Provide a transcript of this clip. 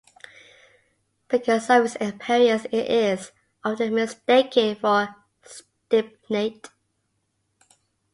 Because of its appearance it is often mistaken for stibnite.